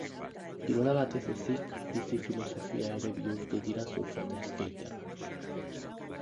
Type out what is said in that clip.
Kirola bat ez ezik, bizi filosofia ere bihurtu dira surfa eta skaterra.